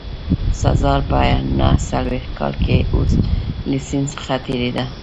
سزار په نه څلوېښت کال کې له سیند څخه تېرېده.